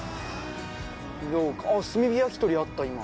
炭火焼き鳥あった今。